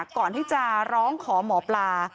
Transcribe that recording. ก่อนที่จะร้องขอหมอปลา